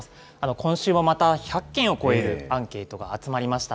今週もまた１００件を超えるアンケートが集まりました。